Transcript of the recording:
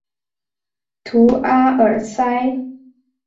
图阿尔塞。